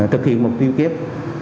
thực hiện mục tiêu kiếp